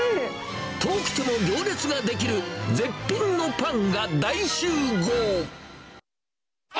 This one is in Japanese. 遠くても行列が出来る絶品のパンが大集合。